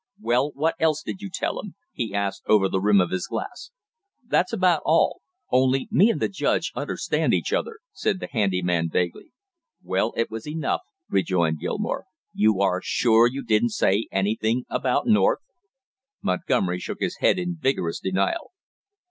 "Well, what else did you tell him?" he asked over the rim of his glass. "That's about all; only me and the judge understand each other," said the handy man vaguely. "Well, it was enough!" rejoined Gilmore. "You are sure you didn't say anything about North?" Montgomery shook his head in vigorous denial.